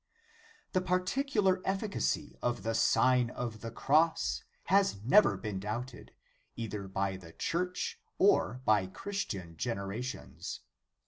The particular efficacy of the Sign of the Cross has never been doubted, either by the Church, or by Christian generations.